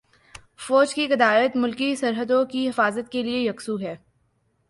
فوج کی قیادت ملکی سرحدوں کی حفاظت کے لیے یکسو ہے۔